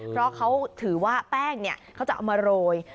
เพราะเขาถือว่าแป้งเขาจะเอามาโรย